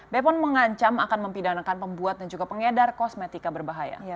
bepon mengancam akan mempidanakan pembuat dan juga pengedar kosmetika berbahaya